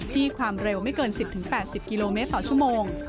ความเร็วไม่เกิน๑๐๘๐กิโลเมตรต่อชั่วโมง